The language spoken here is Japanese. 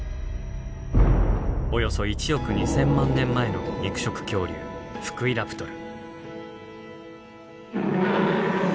およそ１億２，０００万年前の肉食恐竜フクイラプトル。